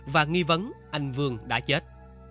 và nghi vấn anh vương đã chết